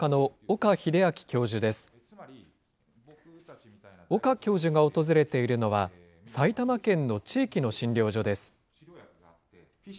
岡教授が訪れているのは、埼玉県の地域の診療所です。